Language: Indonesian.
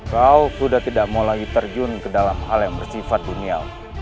kau sudah tidak mau lagi terjun ke dalam hal yang bersifat dunial